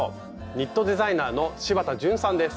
ニットデザイナーの柴田淳さんです。